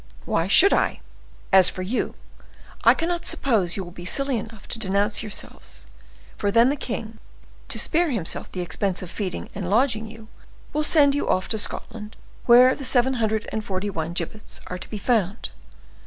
Why should I? As for you—I cannot suppose you will be silly enough to denounce yourselves, for then the king, to spare himself the expense of feeding and lodging you, will send you off to Scotland, where the seven hundred and forty one gibbets are to be found.